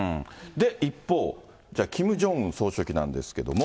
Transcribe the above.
一方、キム・ジョンウン総書記なんですけれど。